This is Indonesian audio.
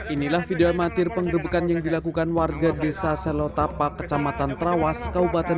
inilah video amatir pengrebekan yang dilakukan warga desa selotapak kecamatan trawas kaupaten